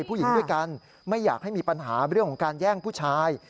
ผู้หญิงด้วยกันไม่อยากให้มีปัญหาเรื่องของการแย่งผู้ชาย